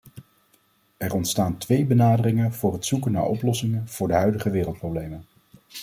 Er ontstaan twee benaderingen voor het zoeken naar oplossingen voor de huidige wereldproblemen.